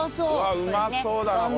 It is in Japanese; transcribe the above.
うまそうだなこれ。